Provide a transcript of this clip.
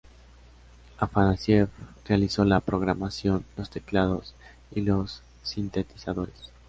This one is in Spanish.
Afanasieff realizó la programación, los teclados y los sintetizadores.